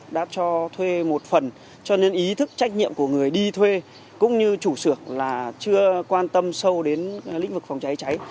cơ sở sản xuất thuê một phần cho nên ý thức trách nhiệm của người đi thuê cũng như chủ sửa là chưa quan tâm sâu đến lĩnh vực phòng trái trái